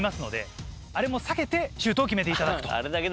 あれも避けてシュートを決めていただくと。